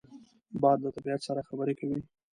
باد له طبیعت سره خبرې کوي